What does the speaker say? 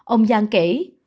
ông giang kể